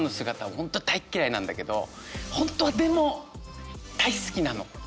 本当は大っ嫌いなんだけど本当はでも大好きなの。